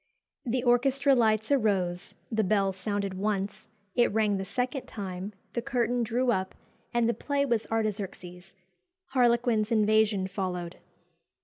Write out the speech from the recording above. The orchestra lights arose the bell sounded once it rang the second time the curtain drew up, and the play was 'Artaxerxes;' 'Harlequin's Invasion' followed."